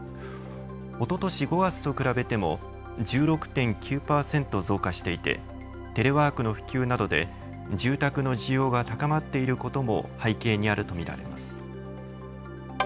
おととし５月と比べても１６．９％増加していてテレワークの普及などで住宅の需要が高まっていることも背景にあると見られます。